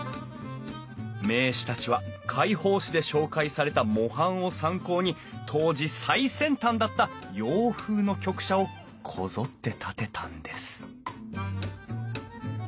名士たちは会報誌で紹介された模範を参考に当時最先端だった洋風の局舎をこぞって建てたんです